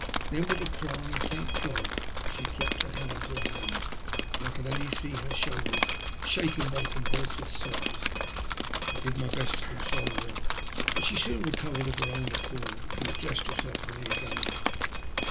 Then with a cry, ''Thank God !" she dropped her head on to her hands and I could see her shoulders shaken by convulsive sobs. I did my best to console her, but she soon recovered of her own accord, and addressed herself to me again.